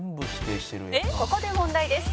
「ここで問題です」